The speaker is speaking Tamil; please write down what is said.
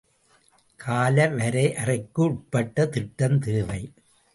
காலவரையறைக்குட்பட்ட திட்டம் தேவை.